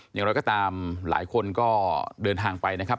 อย่างไรก็ตามหลายคนก็เดินทางไปนะครับ